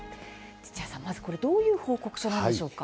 土屋さん、まずこれどういう報告書なんでしょうか。